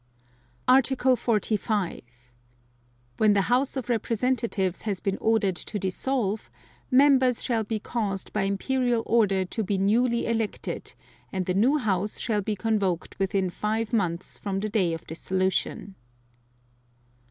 Article 45. When the House of Representatives has been ordered to dissolve, Members shall be caused by Imperial Order to be newly elected, and the new House shall be convoked within five months from the day of dissolution.